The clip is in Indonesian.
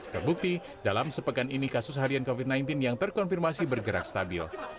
terbukti dalam sepekan ini kasus harian covid sembilan belas yang terkonfirmasi bergerak stabil